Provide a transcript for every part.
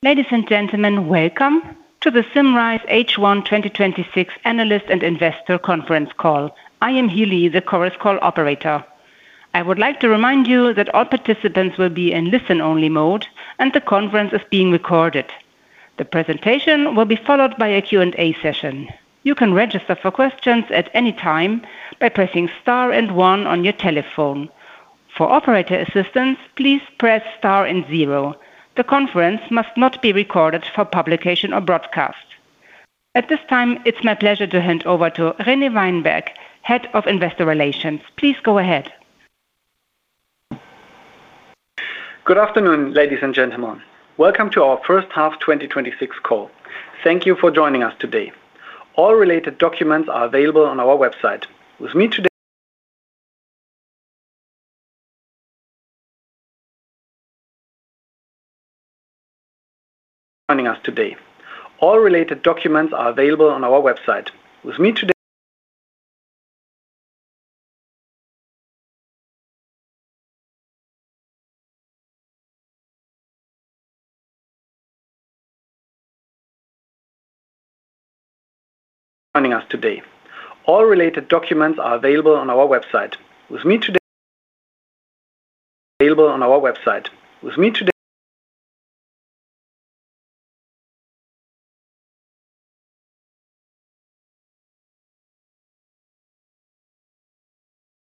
Ladies and gentlemen, welcome to the Symrise H1 2026 Analyst and Investor Conference Call. I am Healy, the conference call operator. I would like to remind you that all participants will be in listen-only mode and the conference is being recorded. The presentation will be followed by a Q&A session. You can register for questions at any time by pressing star and one on your telephone. For operator assistance, please press star and zero. The conference must not be recorded for publication or broadcast. At this time, it is my pleasure to hand over to René Weinberg, Head of Investor Relations. Please go ahead. Good afternoon, ladies and gentlemen. Welcome to our first half 2026 call. Thank you for joining us today. All related documents are available on our website.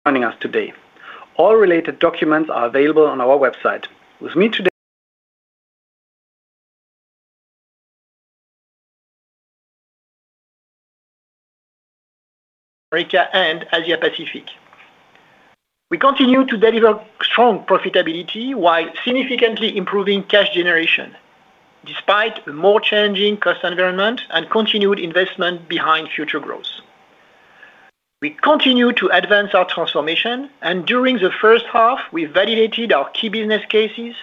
America and Asia Pacific. We continue to deliver strong profitability while significantly improving cash generation, despite a more challenging cost environment and continued investment behind future growth. We continue to advance our transformation, and during the first half, we validated our key business cases,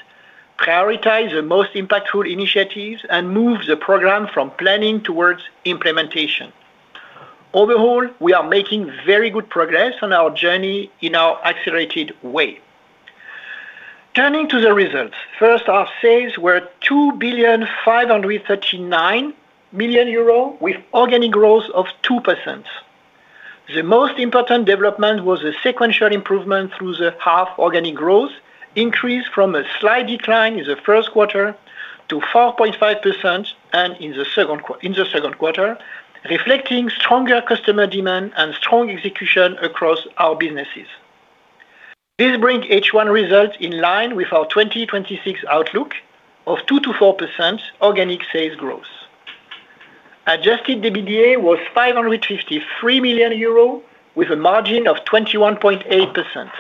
prioritized the most impactful initiatives, and moved the program from planning towards implementation. Overall, we are making very good progress on our journey in our accelerated way. Turning to the results. First, our sales were 2.539 billion euros with organic growth of 2%. The most important development was the sequential improvement through the half organic growth increase from a slight decline in the first quarter to 4.5% in the second quarter, reflecting stronger customer demand and strong execution across our businesses. This brings H1 results in line with our 2026 outlook of 2%-4% organic sales growth. Adjusted EBITDA was 553 million euros, with a margin of 21.8%.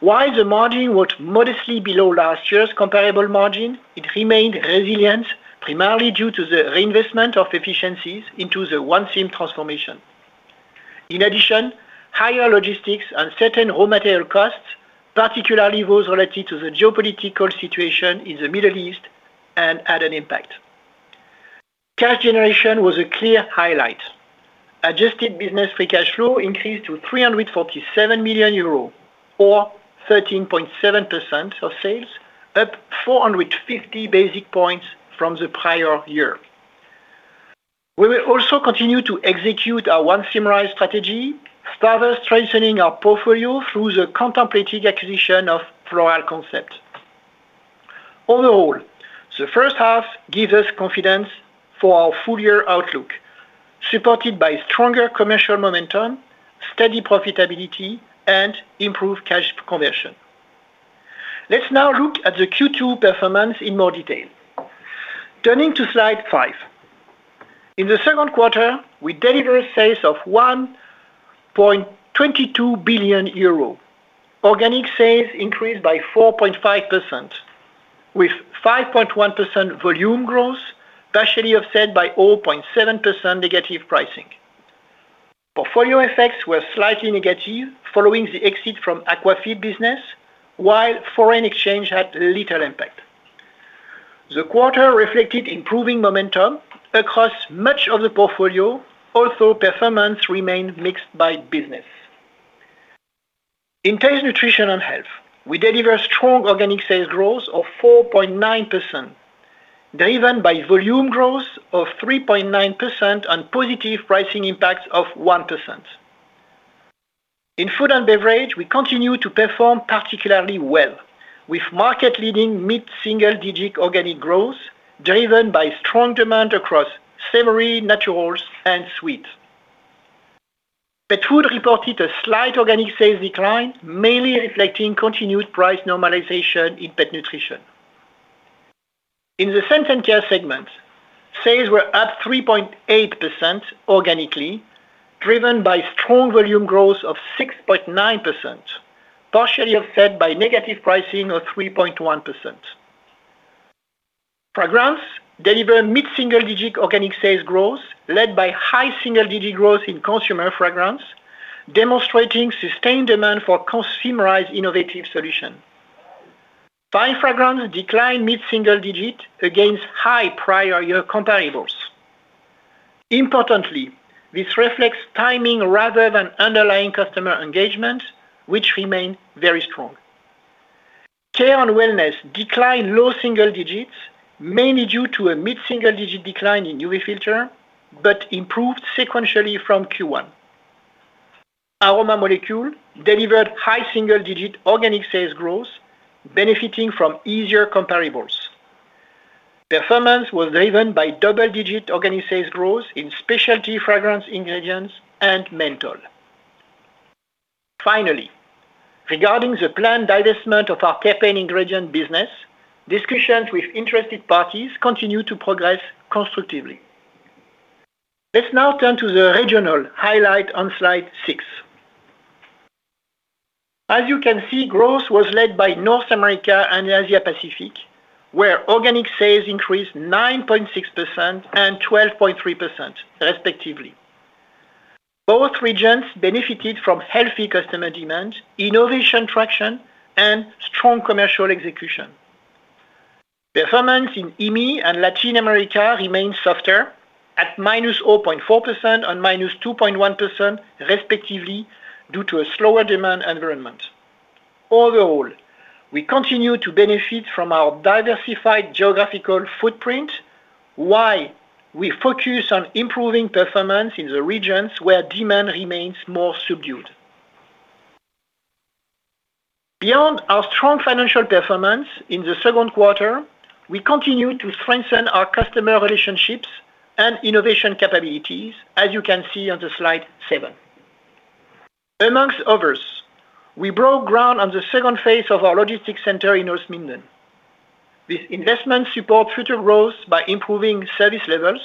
While the margin was modestly below last year's comparable margin, it remained resilient, primarily due to the reinvestment of efficiencies into the ONE Symrise transformation. In addition, higher logistics and certain raw material costs, particularly those related to the geopolitical situation in the Middle East, had an impact. Cash generation was a clear highlight. Adjusted business free cash flow increased to 347 million euros, or 13.7% of sales, up 450 basis points from the prior year. We will also continue to execute our ONE Symrise strategy, further strengthening our portfolio through the contemplated acquisition of Floral Concept. Overall, the first half gives us confidence for our full-year outlook, supported by stronger commercial momentum, steady profitability, and improved cash conversion. Let's now look at the Q2 performance in more detail. Turning to slide five. In the second quarter, we delivered sales of 1.22 billion euro. Organic sales increased by 4.5%, with 5.1% volume growth, partially offset by 0.7% negative pricing. Portfolio effects were slightly negative following the exit from Aqua Feed business, while foreign exchange had little impact. The quarter reflected improving momentum across much of the portfolio, although performance remained mixed by business. In Taste, Nutrition & Health, we delivered strong organic sales growth of 4.9%, driven by volume growth of 3.9% and positive pricing impacts of 1%. In Food & Beverage, we continue to perform particularly well, with market-leading mid-single-digit organic growth driven by strong demand across savory, Naturals, and sweets. Pet Food reported a slight organic sales decline, mainly reflecting continued price normalization in pet nutrition. In the Scent & Care segment, sales were up 3.8% organically, driven by strong volume growth of 6.9%, partially offset by negative pricing of 3.1%. Fragrance delivered mid-single-digit organic sales growth, led by high single-digit growth in Consumer Fragrance, demonstrating sustained demand for consumerized innovative solution. Fine Fragrance declined mid-single-digit against high prior year comparables. Importantly, this reflects timing rather than underlying customer engagement, which remained very strong. Care & Wellness declined low single digits, mainly due to a mid-single-digit decline in UV filters, but improved sequentially from Q1. Aroma Molecules delivered high single-digit organic sales growth, benefiting from easier comparables. Performance was driven by double-digit organic sales growth in Specialty Fragrance Ingredients and Menthol. Finally, regarding the planned divestment of our caffeine ingredient business, discussions with interested parties continue to progress constructively. Let's now turn to the regional highlight on slide six. As you can see, growth was led by North America and Asia Pacific, where organic sales increased 9.6% and 12.3% respectively. Both regions benefited from healthy customer demand, innovation traction, and strong commercial execution. Performance in EAME and Latin America remained softer at -0.4% and -2.1% respectively, due to a slower demand environment. Overall, we continue to benefit from our diversified geographical footprint, while we focus on improving performance in the regions where demand remains more subdued. Beyond our strong financial performance in the second quarter, we continue to strengthen our customer relationships and innovation capabilities, as you can see on slide seven. Amongst others, we broke ground on the second phase of our logistics center in Holzminden. This investment supports future growth by improving service levels,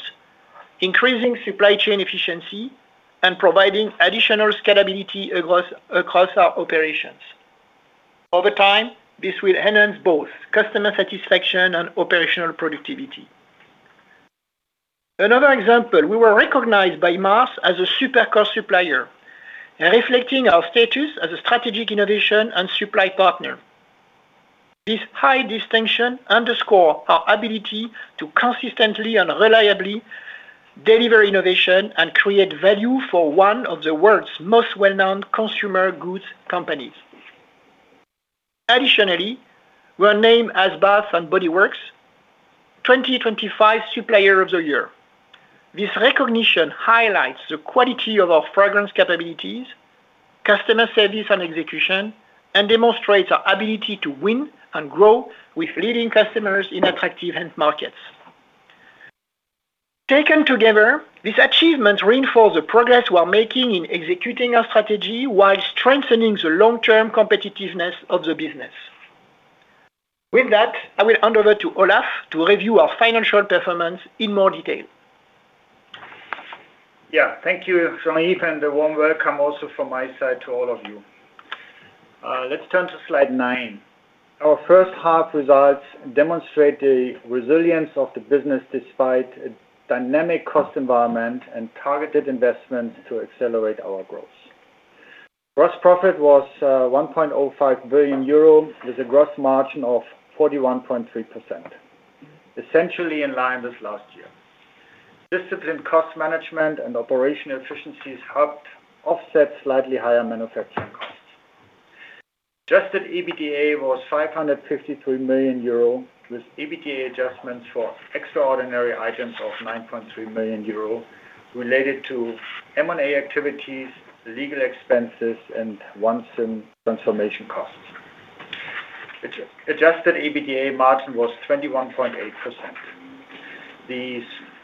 increasing supply chain efficiency, and providing additional scalability across our operations. Over time, this will enhance both customer satisfaction and operational productivity. Another example, we were recognized by Mars as a Supercore Supplier, reflecting our status as a strategic innovation and supply partner. This high distinction underscores our ability to consistently and reliably deliver innovation and create value for one of the world's most well-known consumer goods companies. We're named as Bath & Body Works' 2025 Supplier of the Year. This recognition highlights the quality of our fragrance capabilities, customer service, and execution, and demonstrates our ability to win and grow with leading customers in attractive end markets. Taken together, this achievement reinforces the progress we're making in executing our strategy while strengthening the long-term competitiveness of the business. With that, I will hand over to Olaf to review our financial performance in more detail. Yeah. Thank you, Jean-Yves, and a warm welcome also from my side to all of you. Let's turn to slide nine. Our first half results demonstrate the resilience of the business despite a dynamic cost environment and targeted investments to accelerate our growth. Gross profit was 1.05 billion euro, with a gross margin of 41.3%, essentially in line with last year. Disciplined cost management and operational efficiencies helped offset slightly higher manufacturing costs. Adjusted EBITDA was 553 million euro, with EBITDA adjustments for extraordinary items of 9.3 million euro related to M&A activities, legal expenses, and one-time transformation costs. Adjusted EBITDA margin was 21.8%. The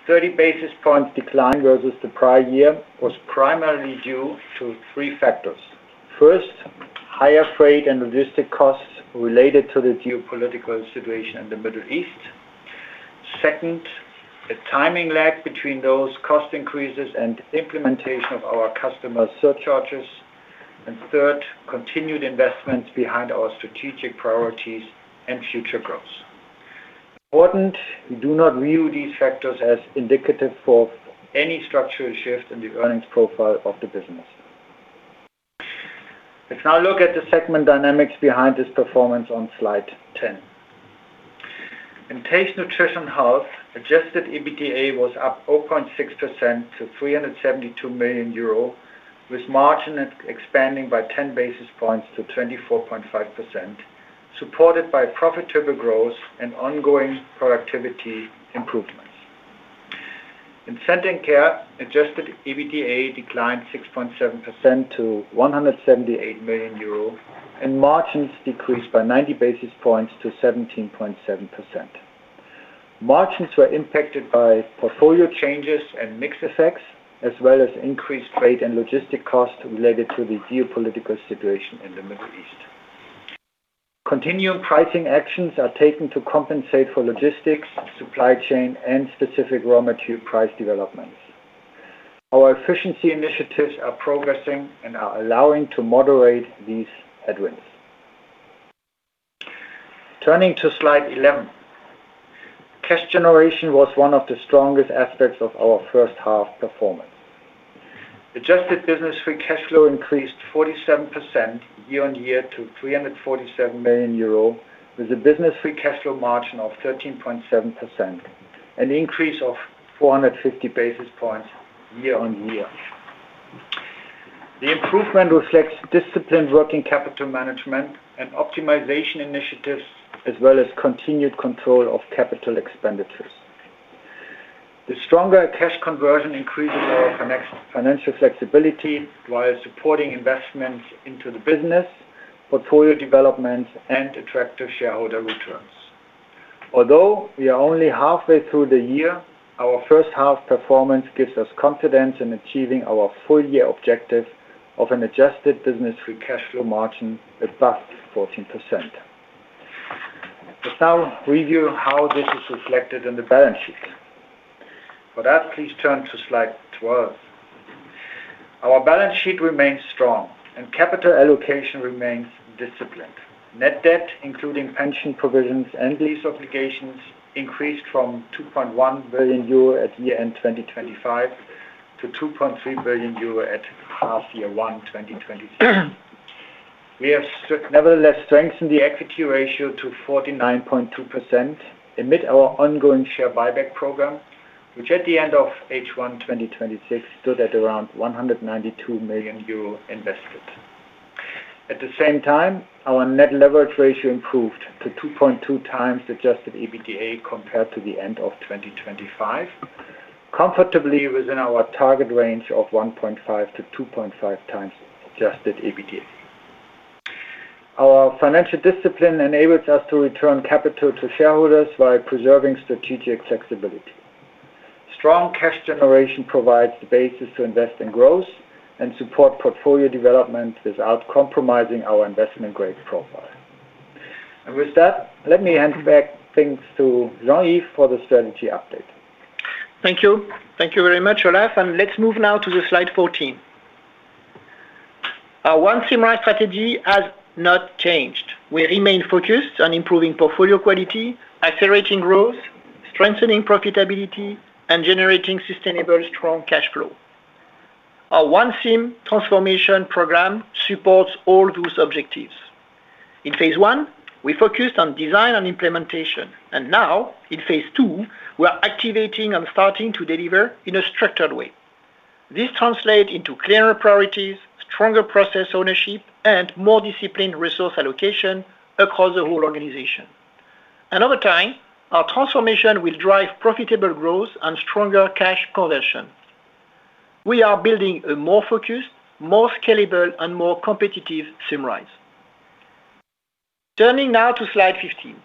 30-basis-point decline versus the prior year was primarily due to three factors. First, higher freight and logistic costs related to the geopolitical situation in the Middle East. Second, a timing lag between those cost increases and implementation of our customer surcharges. Third, continued investments behind our strategic priorities and future growth. Important, we do not view these factors as indicative of any structural shift in the earnings profile of the business. Let's now look at the segment dynamics behind this performance on slide 10. In Taste, Nutrition, Health, adjusted EBITDA was up 0.6% to 372 million euro, with margin expanding by 10 basis points to 24.5%, supported by profitable growth and ongoing productivity improvements. In Scent and Care, adjusted EBITDA declined 6.7% to 178 million euro, and margins decreased by 90 basis points to 17.7%. Margins were impacted by portfolio changes and mix effects, as well as increased freight and logistic costs related to the geopolitical situation in the Middle East. Continuing pricing actions are taken to compensate for logistics, supply chain, and specific raw material price developments. Our efficiency initiatives are progressing and are allowing to moderate these headwinds. Turning to slide 11, cash generation was one of the strongest aspects of our first half performance. Adjusted business free cash flow increased 47% year-on-year to 347 million euro, with a business free cash flow margin of 13.7%, an increase of 450 basis points year-on-year. The improvement reflects disciplined working capital management and optimization initiatives, as well as continued control of capital expenditures. The stronger cash conversion increases our financial flexibility while supporting investments into the business, portfolio development, and attractive shareholder returns. Although we are only halfway through the year, our first-half performance gives us confidence in achieving our full-year objective of an adjusted business free cash flow margin above 14%. Let's now review how this is reflected in the balance sheet. For that, please turn to slide 12. Net debt, including pension provisions and lease obligations, increased from 2.1 billion euro at year-end 2025 to 2.3 billion euro at half year one, 2026. We have, nevertheless, strengthened the equity ratio to 49.2% amid our ongoing share buyback program, which at the end of H1 2026, stood at around 192 million euro invested. At the same time, our net leverage ratio improved to 2.2 times adjusted EBITDA compared to the end of 2025, comfortably within our target range of 1.5-2.5 times adjusted EBITDA. Our financial discipline enables us to return capital to shareholders while preserving strategic flexibility. Strong cash generation provides the basis to invest in growth and support portfolio development without compromising our investment-grade profile. With that, let me hand back things to Jean-Yves for the strategy update. Thank you. Thank you very much, Olaf, and let's move now to slide 14. Our ONE Symrise strategy has not changed. We remain focused on improving portfolio quality, accelerating growth, strengthening profitability, and generating sustainable strong cash flow. Our ONE Sym transformation program supports all those objectives. In phase I, we focused on design and implementation, and now in phase II, we are activating and starting to deliver in a structured way. This translates into clearer priorities, stronger process ownership, and more disciplined resource allocation across the whole organization. Over time, our transformation will drive profitable growth and stronger cash conversion. We are building a more focused, more scalable, and more competitive Symrise. Turning now to slide 15.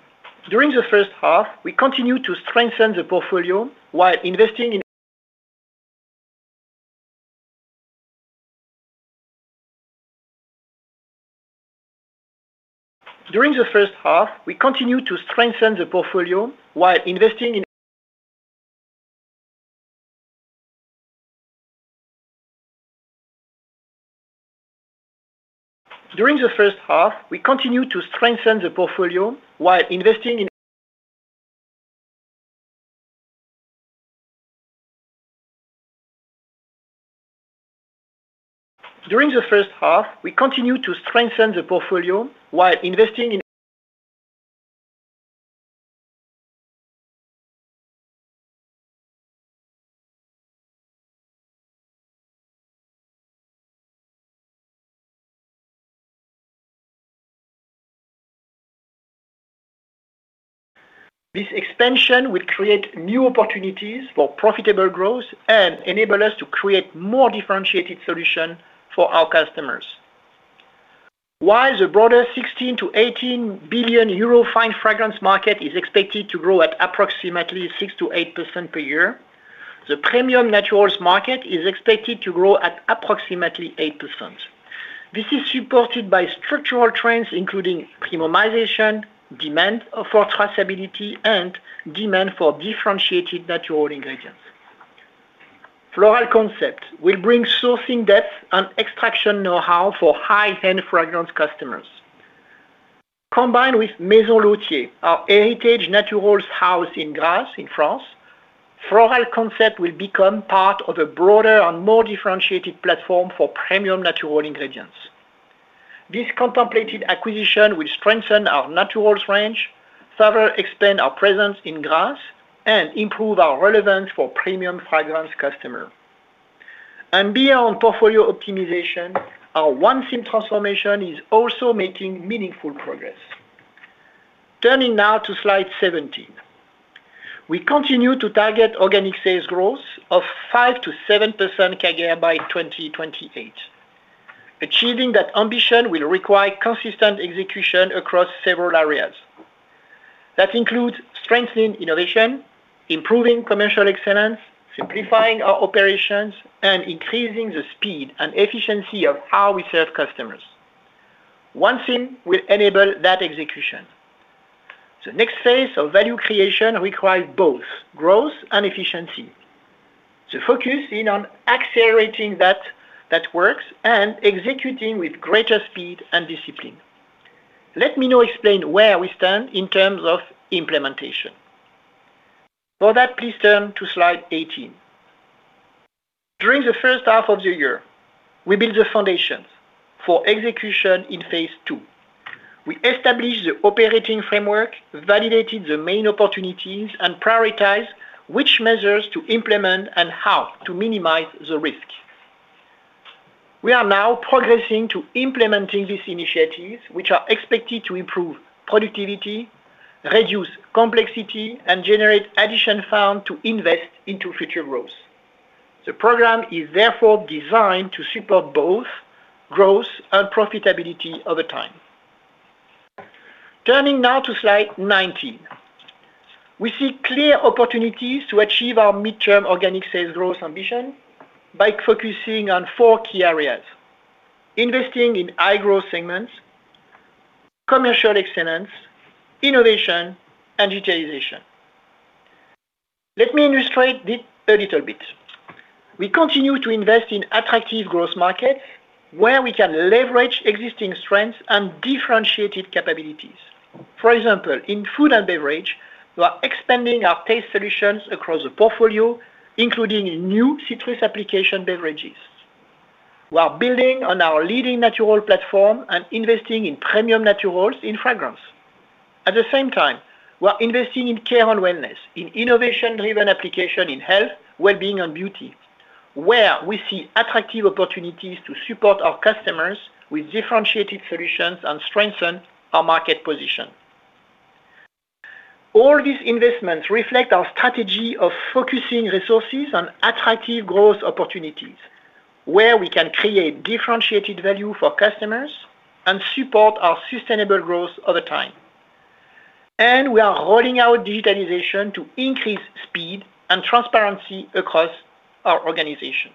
During the first half, we continued to strengthen the portfolio while investing in This expansion will create new opportunities for profitable growth and enable us to create more differentiated solutions for our customers. While the broader 16 billion-18 billion euro Fine Fragrance market is expected to grow at approximately 6%-8% per year, the Premium Naturals market is expected to grow at approximately 8%. This is supported by structural trends including premiumization, demand for traceability, and demand for differentiated natural ingredients. Floral Concept will bring sourcing depth and extraction know-how for high-end fragrance customers. Combined with Maison Rouzier, our heritage naturals house in Grasse in France, Floral Concept will become part of a broader and more differentiated platform for premium natural ingredients. This contemplated acquisition will strengthen our Naturals range, further expand our presence in Grasse, and improve our relevance for premium fragrance customer. Beyond portfolio optimization, our ONE Sym transformation is also making meaningful progress. Turning now to slide 17. We continue to target organic sales growth of 5%-7% CAGR by 2028. Achieving that ambition will require consistent execution across several areas. That includes strengthening innovation, improving commercial excellence, simplifying our operations, and increasing the speed and efficiency of how we serve customers. ONE Sym will enable that execution. The next phase of value creation requires both growth and efficiency. So focus in on accelerating that work and executing with greater speed and discipline. Let me now explain where we stand in terms of implementation. For that, please turn to slide 18. During the first half of the year, we built the foundations for execution in phase II. We established the operating framework, validated the main opportunities, and prioritized which measures to implement and how to minimize the risk. We are now progressing to implementing these initiatives, which are expected to improve productivity, reduce complexity, and generate additional funds to invest into future growth. The program is therefore designed to support both growth and profitability over time. Turning now to slide 19. We see clear opportunities to achieve our midterm organic sales growth ambition by focusing on four key areas: investing in high-growth segments, commercial excellence, innovation, and digitalization. Let me illustrate this a little bit. We continue to invest in attractive growth markets, where we can leverage existing strengths and differentiated capabilities. For example, in Food & Beverage, we are expanding our taste solutions across the portfolio, including new citrus application beverages. We are building on our leading natural platform and investing in Premium Naturals in fragrance. At the same time, we are investing in Care & Wellness, in innovation-driven application in health, wellbeing, and beauty, where we see attractive opportunities to support our customers with differentiated solutions and strengthen our market position. All these investments reflect our strategy of focusing resources on attractive growth opportunities, where we can create differentiated value for customers and support our sustainable growth over time. We are rolling out digitalization to increase speed and transparency across our organization.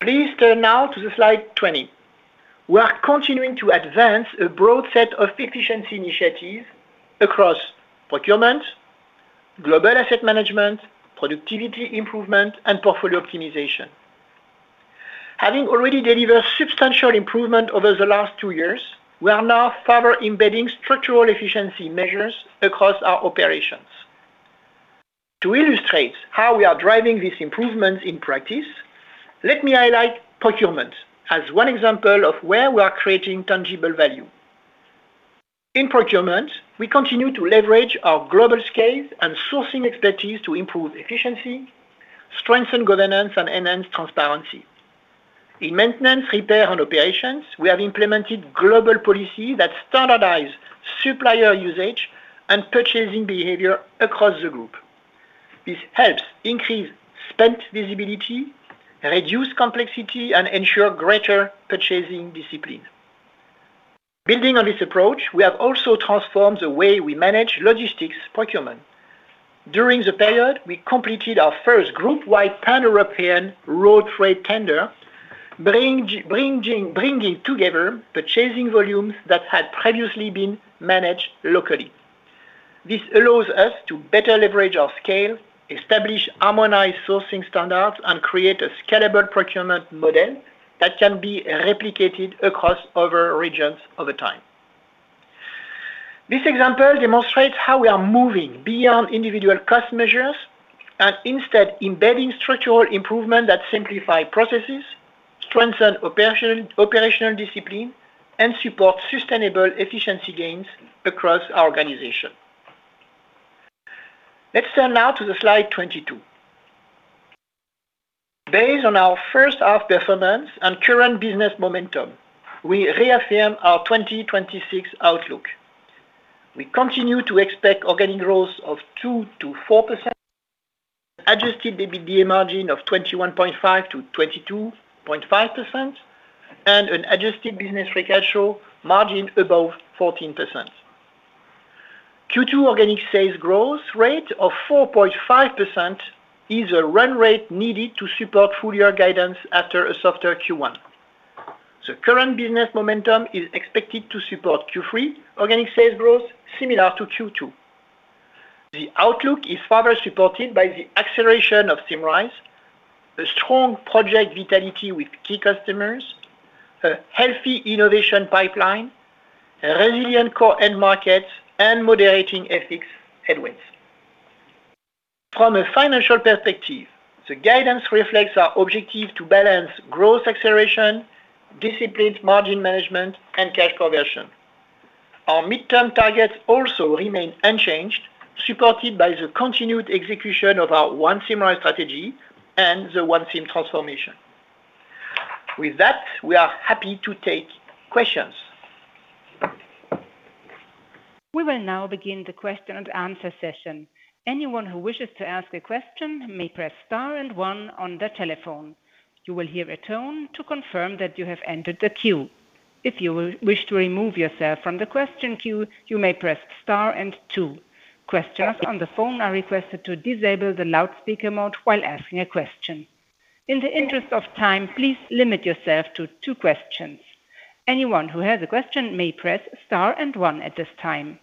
Please turn now to slide 20. We are continuing to advance a broad set of efficiency initiatives across procurement, global asset management, productivity improvement, and portfolio optimization. Having already delivered substantial improvement over the last two years, we are now further embedding structural efficiency measures across our operations. To illustrate how we are driving these improvements in practice, let me highlight procurement as one example of where we are creating tangible value. In procurement, we continue to leverage our global scale and sourcing expertise to improve efficiency, strengthen governance, and enhance transparency. In maintenance, repair, and operations, we have implemented global policies that standardize supplier usage and purchasing behavior across the group. This helps increase spend visibility, reduce complexity, and ensure greater purchasing discipline. Building on this approach, we have also transformed the way we manage logistics procurement. During the period, we completed our first group-wide pan-European road freight tender, bringing together purchasing volumes that had previously been managed locally. This allows us to better leverage our scale, establish harmonized sourcing standards, and create a scalable procurement model that can be replicated across other regions over time. Let's turn now to slide 22. Based on our first half performance and current business momentum, we reaffirm our 2026 outlook. We continue to expect organic growth of 2%-4%, adjusted EBITDA margin of 21.5%-22.5%, and an adjusted business free cash flow margin above 14%. Q2 organic sales growth rate of 4.5% is a run rate needed to support full-year guidance after a softer Q1. The current business momentum is expected to support Q3 organic sales growth similar to Q2. The outlook is further supported by the acceleration of Symrise, strong project vitality with key customers, a healthy innovation pipeline, resilient core end markets, and moderating FX headwinds. From a financial perspective, the guidance reflects our objective to balance growth acceleration, disciplined margin management, and cash conversion. Our midterm targets also remain unchanged, supported by the continued execution of our ONE Symrise strategy and the ONE SYM transformation. With that, we are happy to take questions. We will now begin the question-and-answer session. Anyone who wishes to ask a question may press star one on their telephone. You will hear a tone to confirm that you have entered the queue. If you wish to remove yourself from the question queue, you may press star two. Questioners on the phone are requested to disable the loudspeaker mode while asking a question. In the interest of time, please limit yourself to two questions. Anyone who has a question may press star one at this time.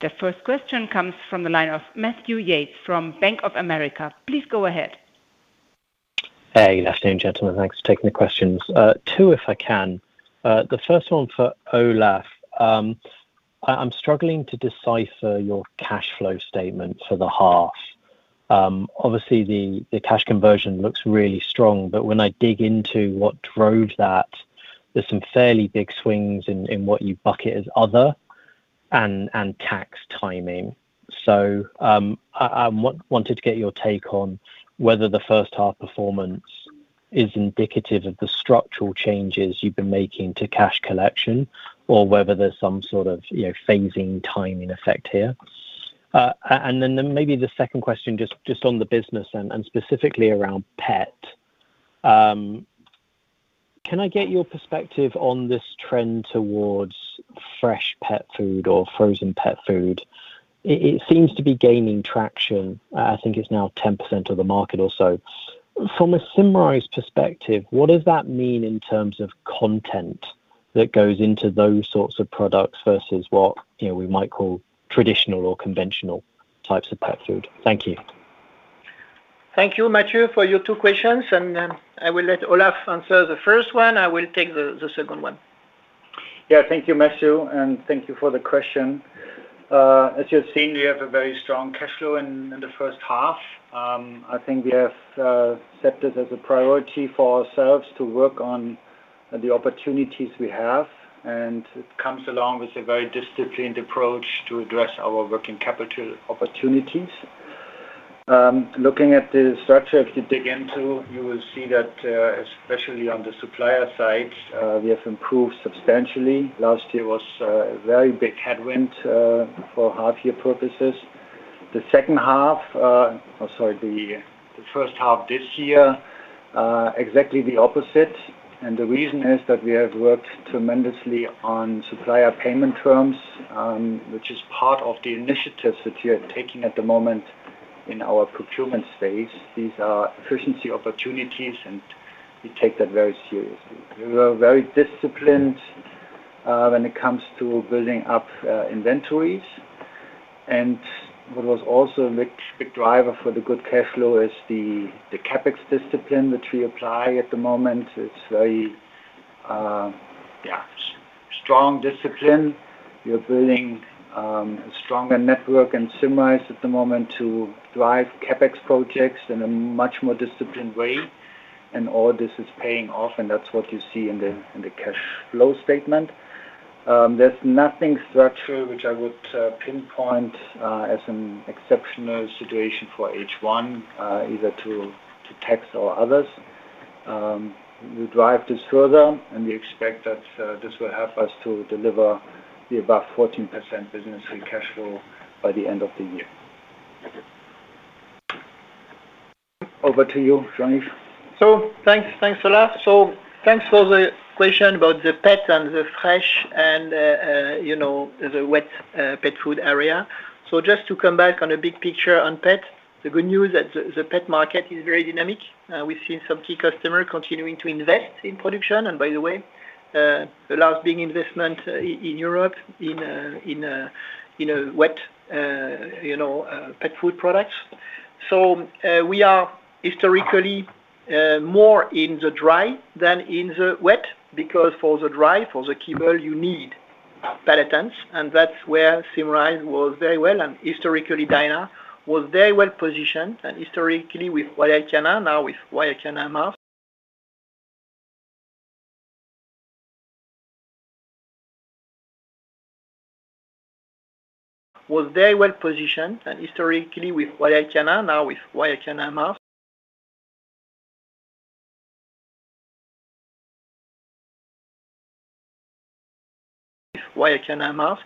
The first question comes from the line of Matthew Yates from Bank of America. Please go ahead. Hey, ladies and gentlemen. Thanks for taking the questions. Two, if I can. The first one for Olaf. I'm struggling to decipher your cash flow statement for the H1. Obviously, the cash conversion looks really strong, but when I dig into what drove that, there's some fairly big swings in what you bucket as other and tax timing. I wanted to get your take on whether the H1 performance is indicative of the structural changes you've been making to cash collection or whether there's some sort of phasing timing effect here. Maybe the second question, just on the business and specifically around Pet Food. Can I get your perspective on this trend towards fresh pet food or frozen pet food? It seems to be gaining traction. I think it's now 10% of the market or so. From a Symrise perspective, what does that mean in terms of content that goes into those sorts of products versus what we might call traditional or conventional types of pet food? Thank you. Thank you, Matthew, for your two questions, and I will let Olaf answer the first one. I will take the second one. Thank you, Matthew, and thank you for the question. As you've seen, we have a very strong cash flow in the first half. I think we have set this as a priority for ourselves to work on the opportunities we have, and it comes along with a very disciplined approach to address our working capital opportunities. Looking at the structure, if you dig into, you will see that, especially on the supplier side, we have improved substantially. Last year was a very big headwind for half year purposes. The first half this year, exactly the opposite. The reason is that we have worked tremendously on supplier payment terms, which is part of the initiatives that we are taking at the moment in our procurement phase. These are efficiency opportunities, and we take that very seriously. We were very disciplined when it comes to building up inventories. What was also a big driver for the good cash flow is the CapEx discipline, which we apply at the moment. It's very strong discipline. We are building a stronger network at Symrise at the moment to drive CapEx projects in a much more disciplined way. All this is paying off, and that's what you see in the cash flow statement. There's nothing structural which I would pinpoint as an exceptional situation for H1, either to tax or others. We drive this further, and we expect that this will help us to deliver the above 14% business in cash flow by the end of the year. Thank you. Over to you, Jean-Yves. Thanks, Olaf. Thanks for the question about the pet and the fresh and the wet pet food area. Just to come back on a big picture on pet, the good news that the pet market is very dynamic. We've seen some key customer continuing to invest in production, and by the way, the last big investment in Europe in wet pet food products. We are historically more in the dry than in the wet because for the dry, for the kibble, you need palatants, and that's where Symrise was very well-positioned, and historically with Royal Canin, now with Royal Canin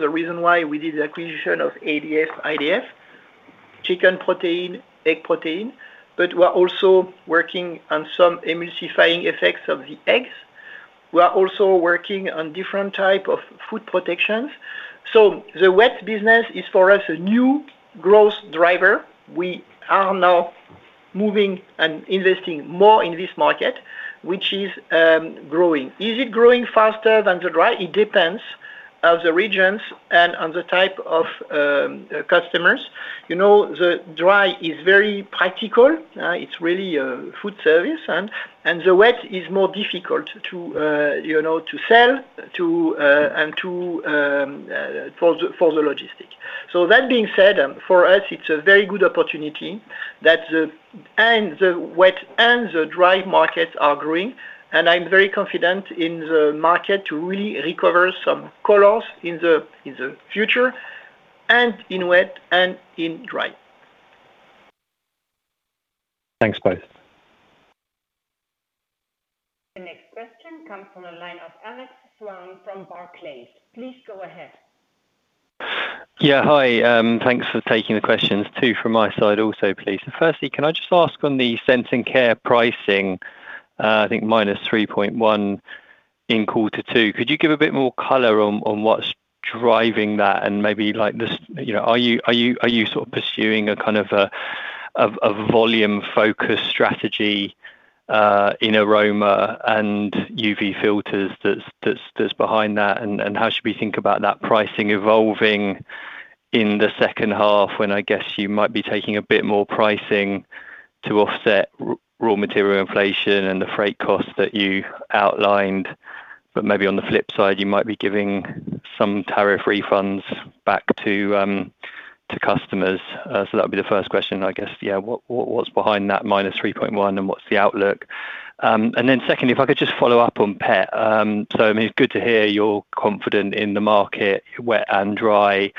the reason why we did the acquisition of ADF, IDF, chicken protein, egg protein, but we're also working on some emulsifying effects of the eggs. We are also working on different type of food protections. The wet business is, for us, a new growth driver. We are now moving and investing more in this market, which is growing. Is it growing faster than the dry? It depends on the regions and on the type of customers. The dry is very practical. It's really a food service, and the wet is more difficult to sell and for the logistic. That being said, for us, it's a very good opportunity that the wet and the dry markets are growing, and I'm very confident in the market to really recover some colors in the future and in wet and in dry. Thanks, both. The next question comes from the line of Alex Sloane from Barclays. Please go ahead. Yeah. Hi, thanks for taking the questions. Two from my side also, please. Firstly, can I just ask on the Scent & Care pricing, I think -3.1%. In quarter two, could you give a bit more color on what's driving that? Maybe, are you sort of pursuing a kind of a volume-focused strategy in aroma and UV filters that's behind that, and how should we think about that pricing evolving in the second half, when I guess you might be taking a bit more pricing to offset raw material inflation and the freight costs that you outlined? Maybe on the flip side, you might be giving some tariff refunds back to customers. That'd be the first question, I guess. Yeah. What's behind that -3.1% and what's the outlook? Secondly, if I could just follow up on pet. It's good to hear you're confident in the market, wet and dry.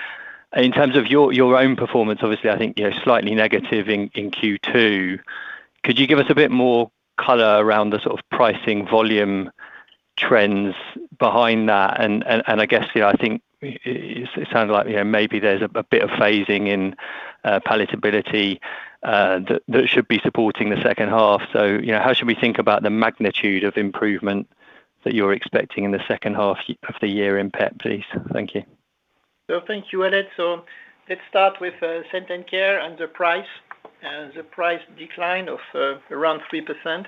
In terms of your own performance, obviously, I think slightly negative in Q2. Could you give us a bit more color around the sort of pricing volume trends behind that? I guess, I think it sounds like maybe there's a bit of phasing in palatability that should be supporting the second half. How should we think about the magnitude of improvement that you're expecting in the second half of the year in pet, please? Thank you. Thank you, Alex. Let's start with Scent & Care and the price decline of around 3%.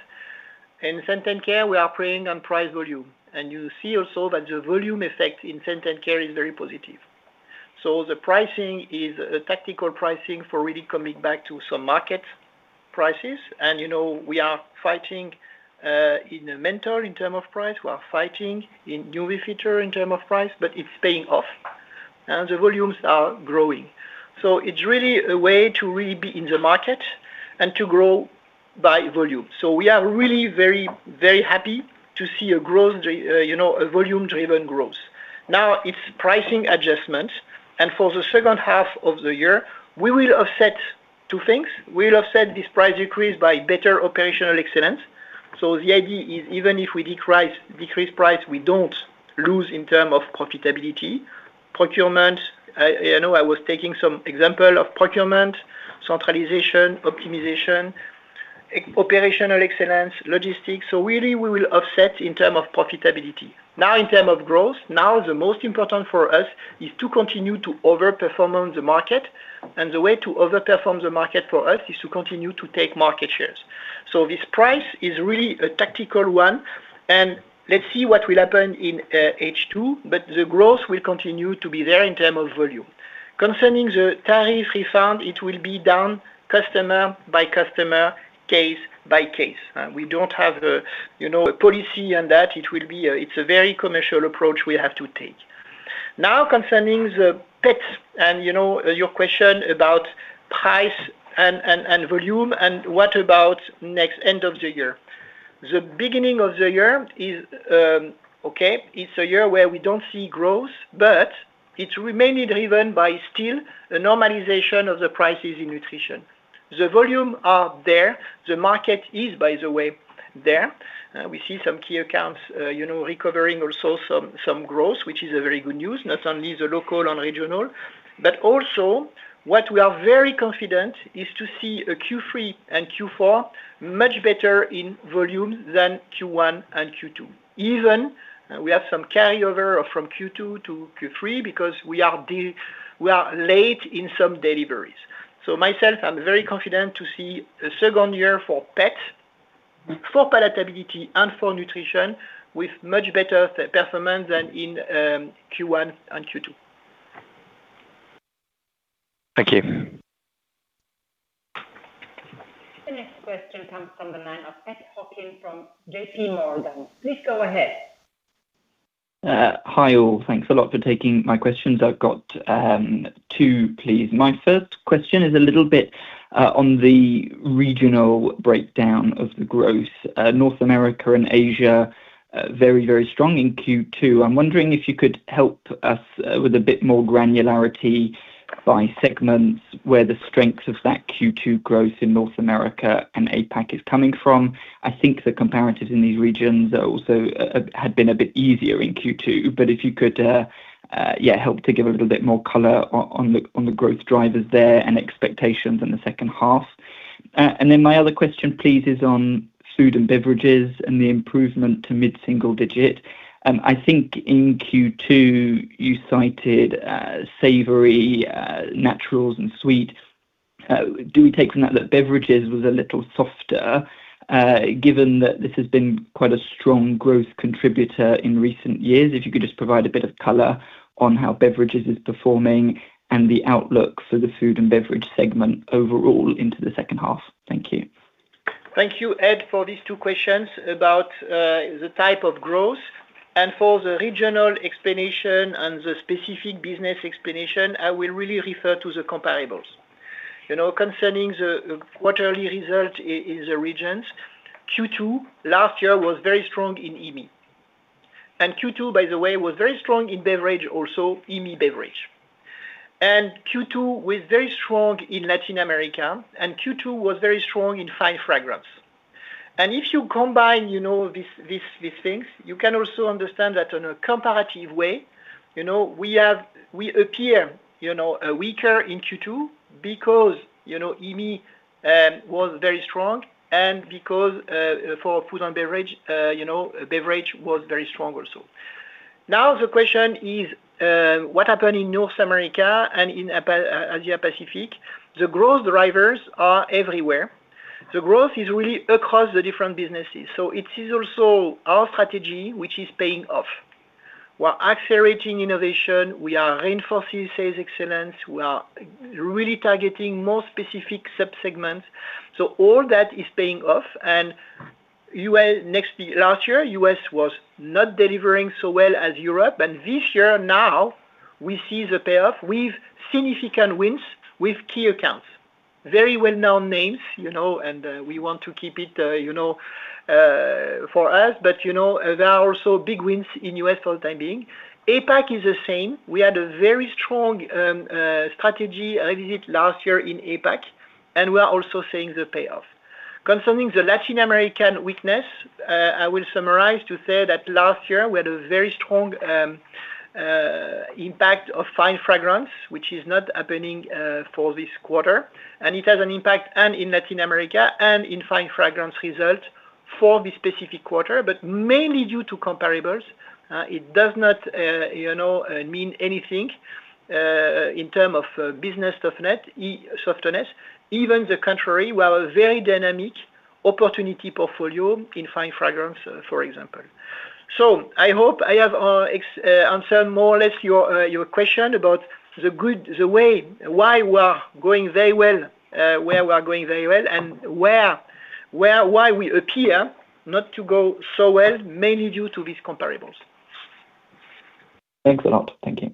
In Scent & Care, we are playing on price volume. You see also that the volume effect in Scent & Care is very positive. The pricing is a tactical pricing for really coming back to some market prices. We are fighting, in Menthol in term of price, we are fighting in UV filters in term of price, but it's paying off. The volumes are growing. It's really a way to really be in the market and to grow by volume. We are really very happy to see a volume-driven growth. It's pricing adjustment, and for the second half of the year, we will offset two things. We'll offset this price decrease by better operational excellence. The idea is, even if we decrease price, we don't lose in term of profitability. Procurement, I know I was taking some example of centralization, optimization, operational excellence, logistics. Really, we will offset in term of profitability. In term of growth, the most important for us is to continue to over-perform on the market. The way to over-perform the market for us is to continue to take market shares. This price is really a tactical one, and let's see what will happen in H2. The growth will continue to be there in term of volume. Concerning the tariff refund, it will be done customer by customer, case by case. We don't have a policy on that. It's a very commercial approach we have to take. Concerning the pets, your question about price and volume, what about next end of the year. The beginning of the year is okay. It's a year where we don't see growth, but it's remaining driven by still a normalization of the prices in nutrition. The volumes are there. The market is, by the way, there. We see some key accounts recovering also some growth, which is a very good news, not only the local and regional. Also, what we are very confident is to see a Q3 and Q4 much better in volume than Q1 and Q2. Even we have some carryover from Q2 to Q3 because we are late in some deliveries. Myself, I'm very confident to see a second year for pets, for palatability and for nutrition with much better performance than in Q1 and Q2. Thank you. The next question comes from the line of Ed Hockin from J.P. Morgan. Please go ahead. Hi, all. Thanks a lot for taking my questions. I have got two, please. My first question is a little bit on the regional breakdown of the growth. North America and Asia, very strong in Q2. I am wondering if you could help us with a bit more granularity by segments where the strengths of that Q2 growth in North America and APAC is coming from. I think the comparatives in these regions also had been a bit easier in Q2. If you could help to give a little bit more color on the growth drivers there and expectations in the second half. My other question, please, is on Food & Beverage and the improvement to mid-single-digit. I think in Q2 you cited savory, Naturals and sweet. Do we take from that that beverages was a little softer, given that this has been quite a strong growth contributor in recent years? If you could just provide a bit of color on how beverages is performing and the outlook for the Food & Beverage segment overall into the second half. Thank you. Thank you, Ed, for these two questions about the type of growth. For the regional explanation and the specific business explanation, I will really refer to the comparables. Concerning the quarterly result in the regions, Q2 last year was very strong in EAME. Q2, by the way, was very strong in beverage also, EAME beverage. Q2 was very strong in Latin America, Q2 was very strong in Fine Fragrance. If you combine these things, you can also understand that on a comparative way we appear weaker in Q2 because EAME was very strong and because for Food & Beverage, beverage was very strong also. Now the question is, what happened in North America and in Asia Pacific? The growth drivers are everywhere. The growth is really across the different businesses. It is also our strategy, which is paying off. We are accelerating innovation. We are reinforcing sales excellence. We are really targeting more specific sub-segments. All that is paying off. Last year, U.S. was not delivering so well as Europe. This year now, we see the payoff with significant wins with key accounts. Very well-known names, and we want to keep it for us. There are also big wins in U.S. for the time being. APAC is the same. We had a very strong strategy visit last year in APAC, and we are also seeing the payoff. Concerning the Latin American weakness, I will summarize to say that last year we had a very strong impact of Fine Fragrance, which is not happening for this quarter. It has an impact in Latin America and in Fine Fragrance result for this specific quarter, but mainly due to comparables. It does not mean anything in terms of business softness. Even the contrary, we have a very dynamic opportunity portfolio in Fine Fragrance, for example. I hope I have answered more or less your question about why we're going very well where we are going very well, and why we appear not to go so well, mainly due to these comparables. Thanks a lot. Thank you.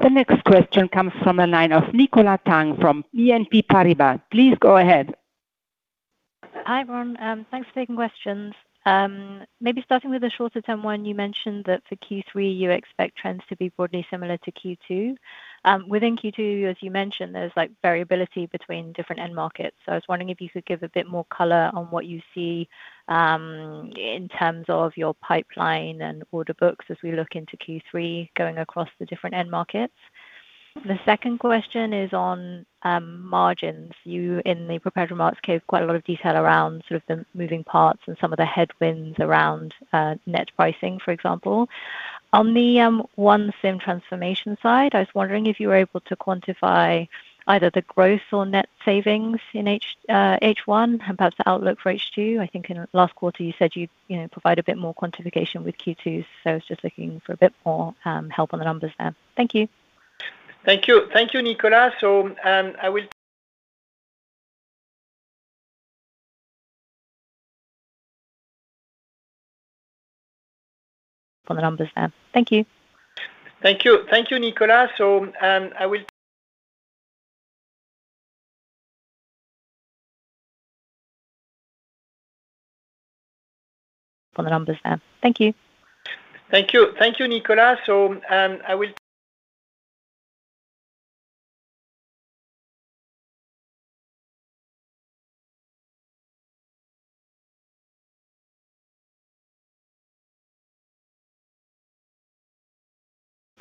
The next question comes from the line of Nicola Tang from BNP Paribas. Please go ahead. Hi, everyone. Thanks for taking questions. Maybe starting with the shorter-term one, you mentioned that for Q3, you expect trends to be broadly similar to Q2. Within Q2, as you mentioned, there's variability between different end markets. I was wondering if you could give a bit more color on what you see in terms of your pipeline and order books as we look into Q3, going across the different end markets. The second question is on margins. You, in the prepared remarks, gave quite a lot of detail around sort of the moving parts and some of the headwinds around net pricing, for example. On the ONE Symrise transformation side, I was wondering if you were able to quantify either the growth or net savings in H1 and perhaps the outlook for H2. I think in the last quarter you said you'd provide a bit more quantification with Q2. I was just looking for a bit more help on the numbers there. Thank you. Thank you, Nicola.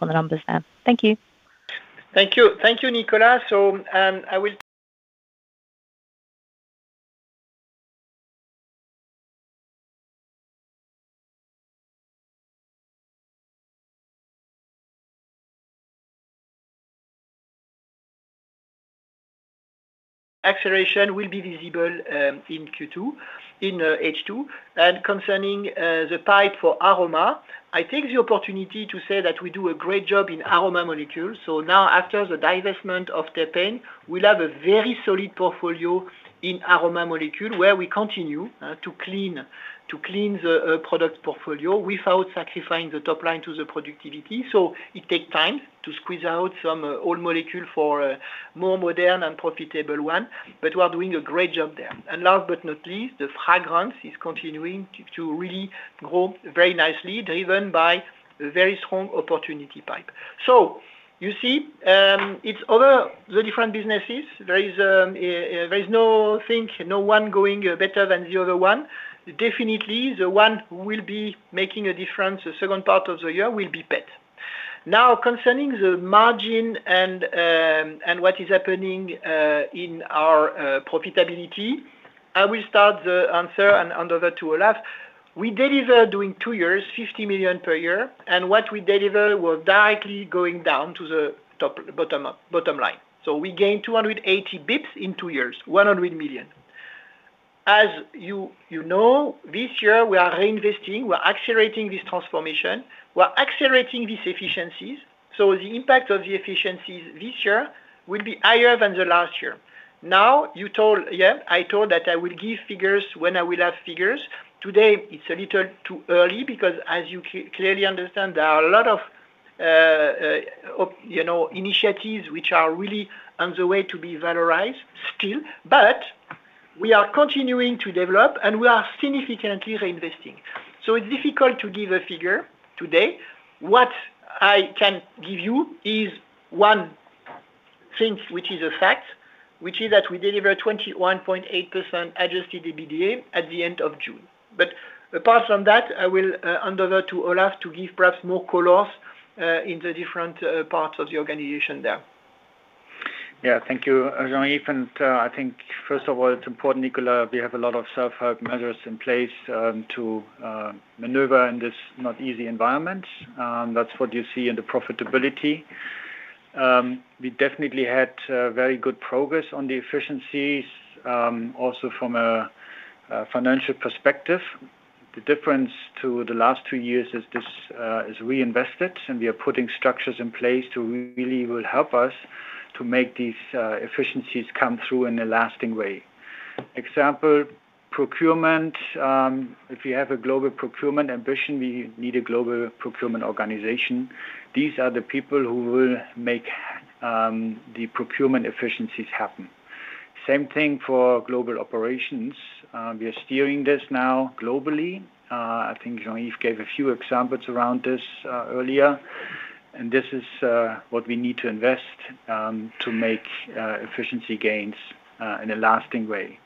On the numbers there. Thank you. Thank you, Nicola. Acceleration will be visible in H2. Concerning the pipe for Aroma Molecules, I take the opportunity to say that we do a great job in Aroma Molecules. Now, after the divestment of Terpenes, we'll have a very solid portfolio in Aroma Molecules, where we continue to clean the product portfolio without sacrificing the top line to the productivity. It takes time to squeeze out some old molecule for a more modern and profitable one, but we're doing a great job there. Last but not least, the fragrance is continuing to really grow very nicely, driven by a very strong opportunity pipe. You see, it's all the different businesses. There is no one going better than the other one. Definitely, the one who will be making a difference the second part of the year will be Pet. Now, concerning the margin and what is happening in our profitability, I will start the answer and hand over to Olaf. We deliver during two years, 50 million per year, and what we deliver will directly going down to the bottom line. We gained 280 bps in two years, 100 million. As you know, this year we are reinvesting. We're accelerating this transformation. We're accelerating these efficiencies. The impact of the efficiencies this year will be higher than the last year. Now, I told that I will give figures when I will have figures. Today, it's a little too early because as you clearly understand, there are a lot of initiatives which are really on the way to be valorized still. We are continuing to develop, and we are significantly reinvesting. It's difficult to give a figure today. What I can give you is one thing which is a fact, which is that we deliver 21.8% adjusted EBITDA at the end of June. Apart from that, I will hand over to Olaf to give perhaps more colors in the different parts of the organization there. Thank you, Jean-Yves, I think first of all, it's important, Nicola, we have a lot of self-help measures in place to maneuver in this not easy environment. That's what you see in the profitability. We definitely had very good progress on the efficiencies, also from a financial perspective. The difference to the last two years is this is reinvested, and we are putting structures in place to help us to make these efficiencies come through in a lasting way. Example, procurement. If we have a global procurement ambition, we need a global procurement organization. These are the people who will make the procurement efficiencies happen. Same thing for global operations. We are steering this now globally. I think Jean-Yves gave a few examples around this earlier. This is what we need to invest to make efficiency gains in a lasting way.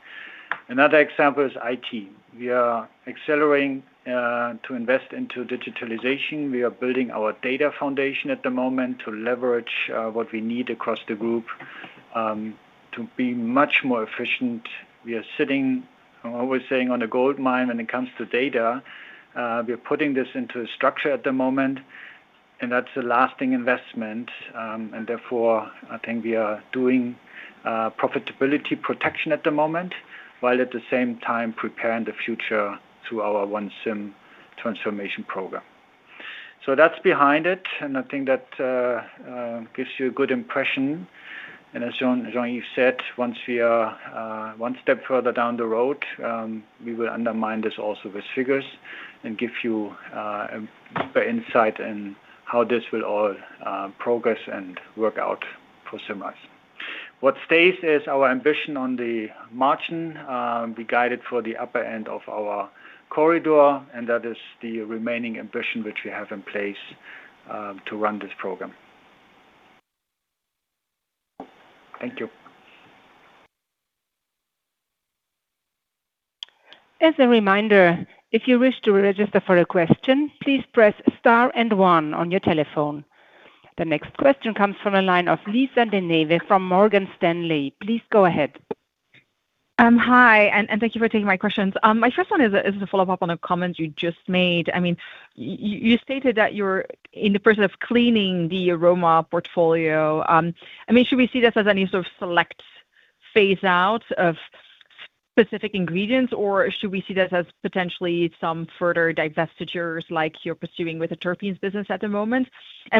Another example is IT. We are accelerating to invest into digitalization. We are building our data foundation at the moment to leverage what we need across the group, to be much more efficient. We are sitting, always saying on a gold mine when it comes to data. We are putting this into a structure at the moment, and that's a lasting investment. Therefore, I think we are doing profitability protection at the moment, while at the same time preparing the future through our ONE SYM transformation program. That's behind it, and I think that gives you a good impression. As Jean-Yves said, once we are one step further down the road, we will undermine this also with figures and give you a deeper insight in how this will all progress and work out for Symrise. What stays is our ambition on the margin. We guided for the upper end of our corridor, that is the remaining ambition which we have in place to run this program. Thank you. As a reminder, if you wish to register for a question, please press star and one on your telephone. The next question comes from the line of Lisa De Neve from Morgan Stanley. Please go ahead. Hi, thank you for taking my questions. My first one is a follow-up on a comment you just made. You stated that you're in the process of cleaning the Aroma portfolio. Should we see this as any sort of select phase out of specific ingredients, or should we see this as potentially some further divestitures like you're pursuing with the Terpenes business at the moment?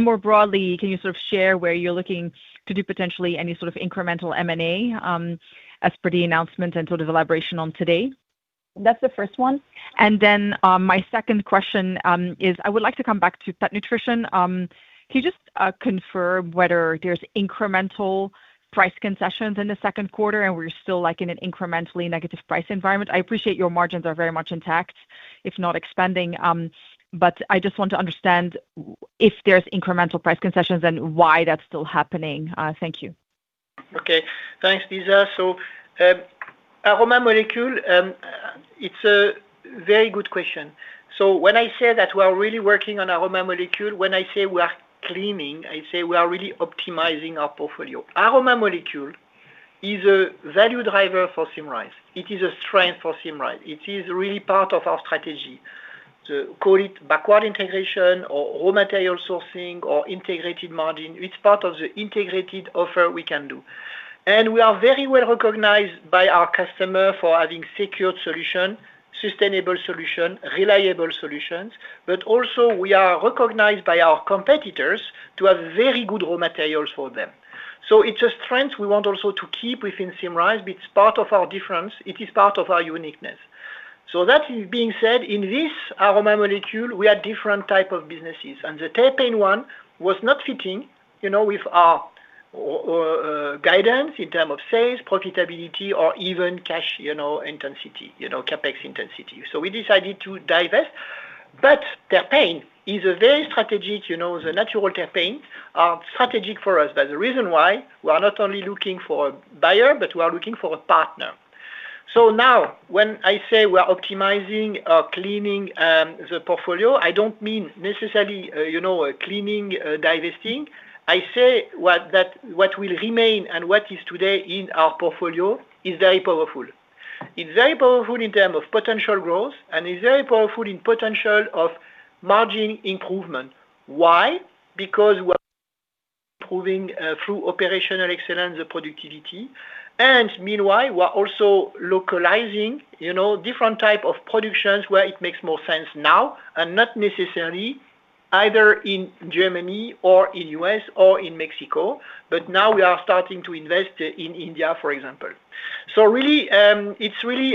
More broadly, can you sort of share where you're looking to do potentially any sort of incremental M&A, as per the announcement and sort of elaboration on today? That's the first one. Then, my second question is, I would like to come back to Pet Food. Can you just confirm whether there's incremental price concessions in the second quarter and we're still in an incrementally negative price environment? I appreciate your margins are very much intact, if not expanding. I just want to understand if there's incremental price concessions and why that's still happening. Thank you. Okay. Thanks, Lisa. Aroma Molecule, it's a very good question. When I say that we're really working on Aroma Molecule, when I say we are cleaning, I say we are really optimizing our portfolio. Aroma Molecule is a value driver for Symrise. It is a strength for Symrise. It is really part of our strategy. To call it backward integration or raw material sourcing or integrated margin, it's part of the integrated offer we can do. We are very well-recognized by our customer for having secured solution, sustainable solution, reliable solutions. Also we are recognized by our competitors to have very good raw materials for them. It's a strength we want also to keep within Symrise. It's part of our difference. It is part of our uniqueness. That being said, in this Aroma Molecule, we are different type of businesses, the Terpenes one was not fitting with our guidance in term of sales, profitability, or even cash intensity, CapEx intensity. We decided to divest. Terpenes is a very strategic, the natural Terpenes, strategic for us. That's the reason why we are not only looking for a buyer, but we are looking for a partner. Now when I say we're optimizing or cleaning the portfolio, I don't mean necessarily cleaning, divesting. I say that what will remain and what is today in our portfolio is very powerful. It's very powerful in term of potential growth, it's very powerful in potential of margin improvement. Why? Because we're improving through operational excellence the productivity, meanwhile, we're also localizing different type of productions where it makes more sense now, not necessarily either in Germany or in U.S. or in Mexico. Now we are starting to invest in India, for example. It's really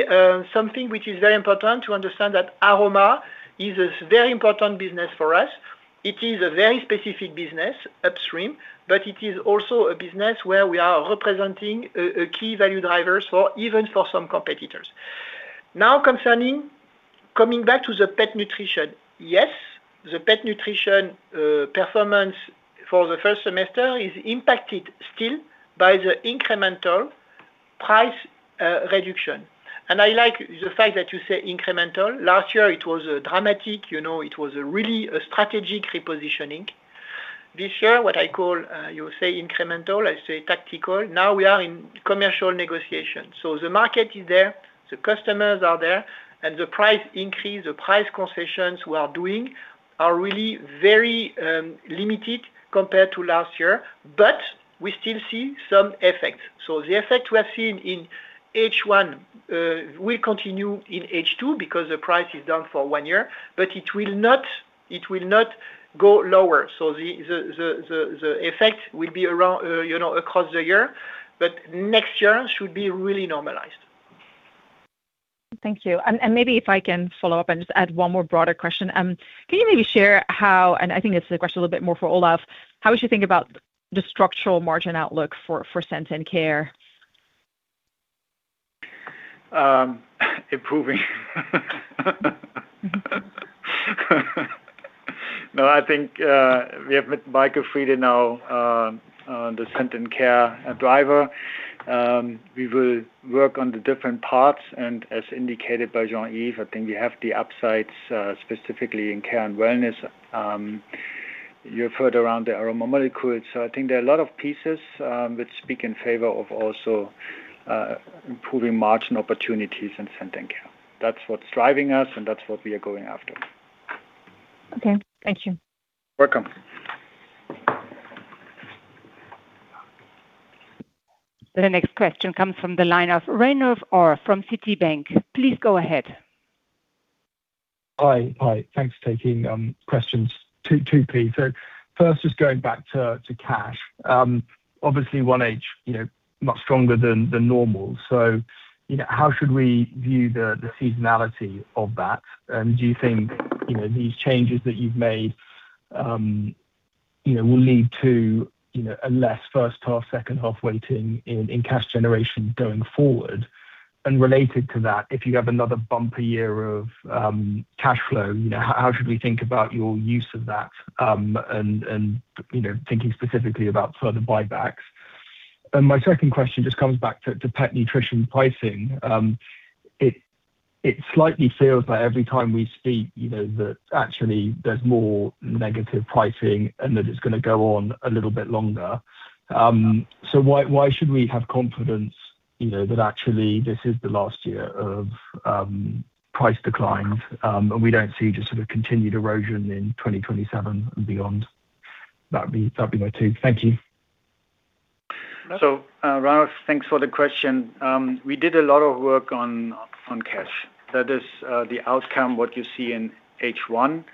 something which is very important to understand that Aroma is a very important business for us. It is a very specific business upstream, it is also a business where we are representing a key value drivers even for some competitors. Coming back to the pet nutrition. Yes, the pet nutrition performance for the first semester is impacted still by the incremental price reduction. I like the fact that you say incremental. Last year, it was dramatic. It was really a strategic repositioning. This year, what I call, you say incremental, I say tactical. We are in commercial negotiation. The market is there, the customers are there, and the price increase, the price concessions we are doing are really very limited compared to last year, but we still see some effect. The effect we have seen in H1 will continue in H2 because the price is down for one year, but it will not go lower. The effect will be across the year, but next year should be really normalized. Thank you. Maybe if I can follow up and just add one more broader question. Can you maybe share how, and I think this is a question a little bit more for Olaf, how would you think about the structural margin outlook for Scent & Care? Improving. I think, we have Michael Friede now, on the Scent & Care driver. We will work on the different parts, as indicated by Jean-Yves, I think we have the upsides, specifically in Care & Wellness. You've heard around the Aroma Molecules, I think there are a lot of pieces, which speak in favor of also improving margin opportunities in Health and Care. That's what's driving us, and that's what we are going after. Okay. Thank you. Welcome. The next question comes from the line of Ranulf Orr from Citi. Please go ahead. Hi. Thanks for taking questions. Two, Pete. First, just going back to cash. Obviously, 1H, much stronger than normal. How should we view the seasonality of that? Do you think these changes that you've made will lead to a less first half, second half weighting in cash generation going forward? Related to that, if you have another bumper year of cash flow, how should we think about your use of that, and thinking specifically about further buybacks. My second question just comes back to pet nutrition pricing. It slightly feels like every time we speak, that actually there's more negative pricing and that it's going to go on a little bit longer. Why should we have confidence that actually this is the last year of price declines, and we don't see just sort of continued erosion in 2027 and beyond? That'd be my two. Thank you. Ranulf, thanks for the question. We did a lot of work on cash. That is the outcome what you see in H1,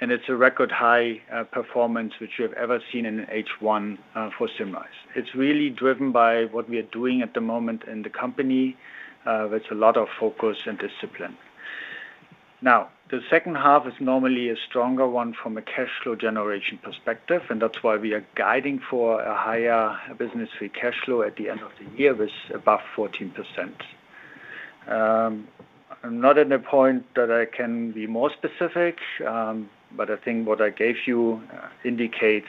and it's a record high performance which we have ever seen in H1 for Symrise. It's really driven by what we are doing at the moment in the company, with a lot of focus and discipline. The second half is normally a stronger one from a cash flow generation perspective, and that's why we are guiding for a higher business free cash flow at the end of the year, with above 14%. I'm not at a point that I can be more specific, but I think what I gave you indicates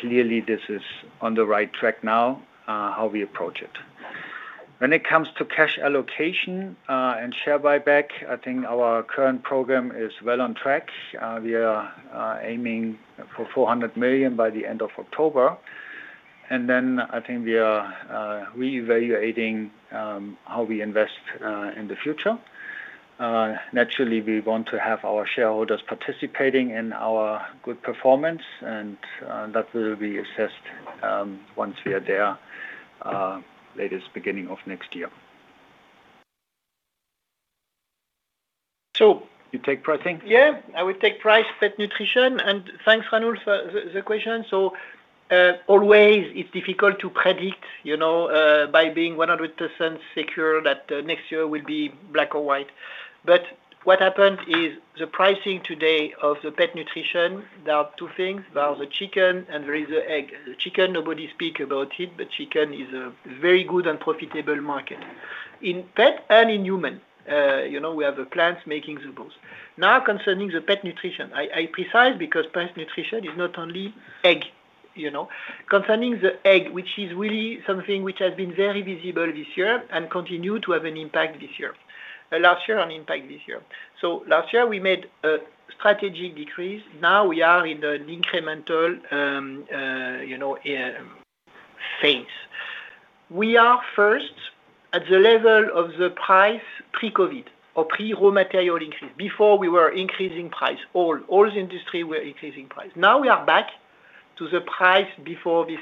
clearly this is on the right track now, how we approach it. When it comes to cash allocation, and share buyback, I think our current program is well on track. We are aiming for 400 million by the end of October. I think we are reevaluating how we invest in the future. Naturally, we want to have our shareholders participating in our good performance, and that will be assessed once we are there, latest beginning of next year. So- You take pricing? Yeah, I will take price, pet nutrition, thanks, Ranulf, for the question. Always it's difficult to predict, by being 100% secure that next year will be black or white. What happened is the pricing today of the pet nutrition, there are two things. There are the chicken, and there is the egg. The chicken, nobody speak about it, chicken is a very good and profitable market. In pet and in human, we have the plants making both. Concerning the pet nutrition, I precise because pet nutrition is not only egg. Concerning the egg, which is really something which has been very visible this year and continue to have an impact this year. Last year on impact this year. Last year, we made a strategic decrease. We are in an incremental phase. We are first at the level of the price pre-COVID or pre-raw material increase. Before we were increasing price, all industry were increasing price. We are back to the price before this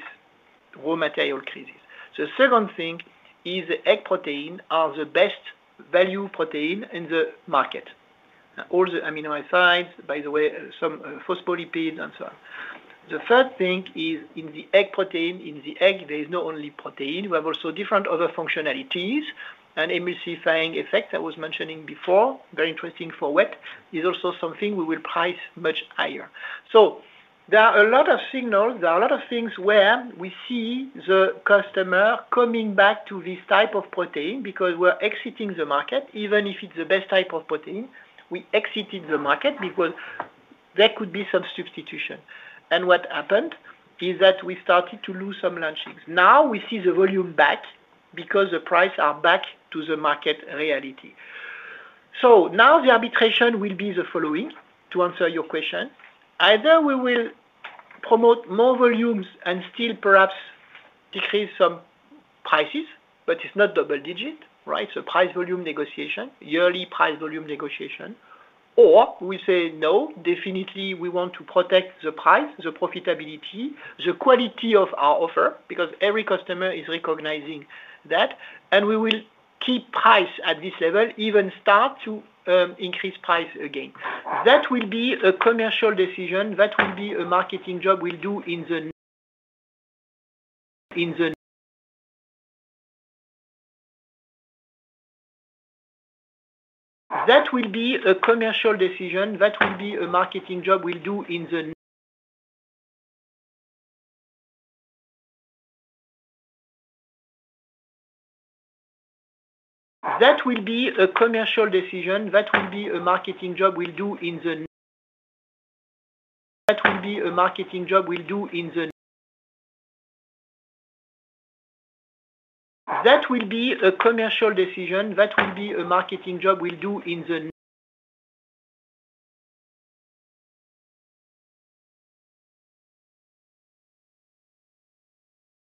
raw material crisis. The second thing is the egg protein are the best value protein in the market. All the amino acids, by the way, some phospholipid and so on. The third thing is in the egg protein, in the egg, there's not only protein, we have also different other functionalities. An emulsifying effect I was mentioning before, very interesting for wet, is also something we will price much higher. There are a lot of signals. There are a lot of things where we see the customer coming back to this type of protein because we're exiting the market. Even if it's the best type of protein, we exited the market because there could be some substitution. What happened is that we started to lose some launchings. Now we see the volume back because the price are back to the market reality. Now the arbitration will be the following, to answer your question. Either we will promote more volumes and still perhaps decrease some prices, but it's not double-digit, right? Price-volume negotiation, yearly price-volume negotiation. Or we say, "No, definitely, we want to protect the price, the profitability, the quality of our offer," because every customer is recognizing that, and we will keep price at this level, even start to increase price again. That will be a commercial decision.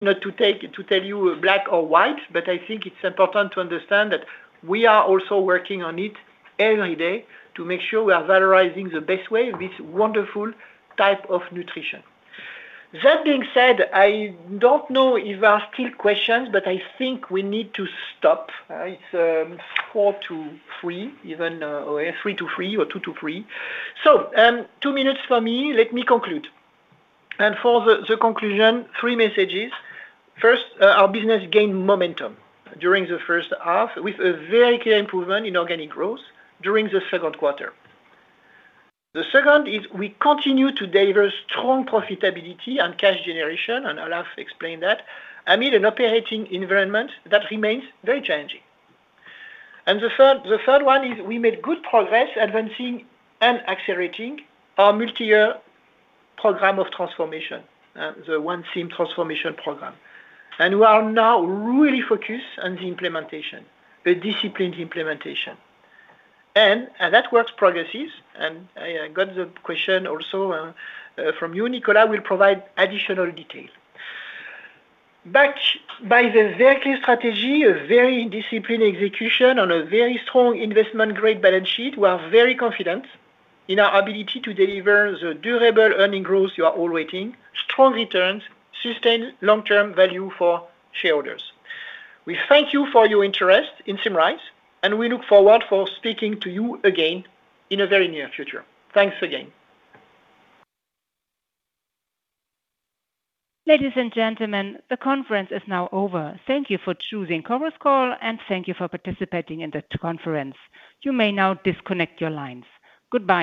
Not to tell you black or white, but I think it's important to understand that we are also working on it every day to make sure we are valorizing the best way this wonderful type of nutrition. That being said, I don't know if there are still questions, but I think we need to stop. It's four to three, even three to three or two to three. Two minutes for me. Let me conclude. For the conclusion, three messages. First, our business gained momentum during the first half with a very clear improvement in organic growth during the second quarter. The second is we continue to deliver strong profitability and cash generation, Olaf explained that, amid an operating environment that remains very challenging. The third one is we made good progress advancing and accelerating our multi-year program of transformation, the ONE Sym Transformation program. We are now really focused on the implementation, the disciplined implementation. That work progresses. I got the question also from you, Nicola. We'll provide additional detail. Back by the very clear strategy, a very disciplined execution on a very strong investment-grade balance sheet, we are very confident in our ability to deliver the durable earning growth you are all waiting, strong returns, sustained long-term value for shareholders. We thank you for your interest in Symrise, and we look forward for speaking to you again in the very near future. Thanks again. Ladies and gentlemen, the conference is now over. Thank you for choosing Conference Call, thank you for participating in the conference. You may now disconnect your lines. Goodbye.